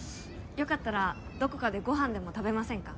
よかったらどこかでご飯でも食べませんか？